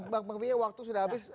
bang pembi ya waktu sudah habis